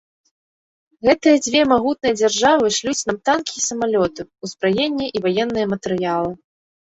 Гэтыя дзве магутныя дзяржавы шлюць нам танкі і самалёты, узбраенне і ваенныя матэрыялы.